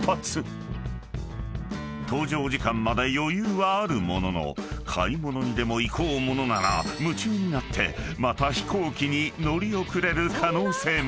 ［搭乗時間まで余裕はあるものの買い物にでも行こうものなら夢中になってまた飛行機に乗り遅れる可能性も］